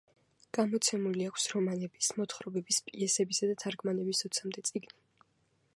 გამოცემული აქვს რომანების, მოთხრობების, პიესებისა და თარგმანების ოცამდე წიგნი.